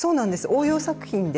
応用作品で。